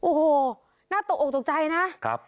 โอ้โหน่าตกออกตกใจนะครับ